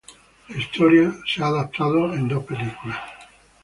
La historia ha sido adaptada en dos películas.